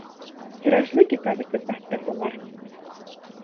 Тиражлы китап итеп баҫтырҙылар.